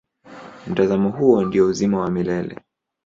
Mtazamo huo ndio uzima wa milele.